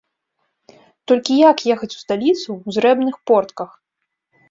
Толькі як ехаць у сталіцу ў зрэбных портках?